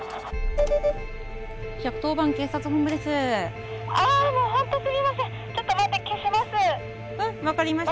☎１１０番警察本部です。